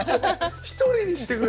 「一人にしてくれ！」